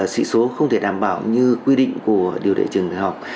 sự số không thể đảm bảo như quy định của điều đệ trường học